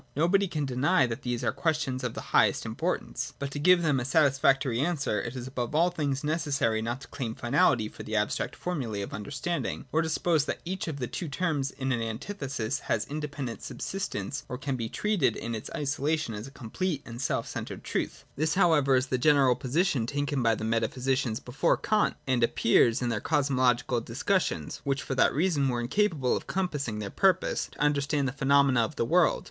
Nobody can deny that these are questions of the highest importance. But to give them a satisfactory answer, it is above all things necessary not to claim finality for the abstract formula: of understanding, or to suppose that each of the two terms in an antithesis has an independent subsistence or can be 35,36.] COSMOLOGY. 71 treated in its isolation as a complete and self centred truth. This however is the general position taken by the metaphy sicians before Kant, and appears in their cosmological dis cussions, which for that reason were incapable of compassmg their purpose, to understand the phenomena of the world.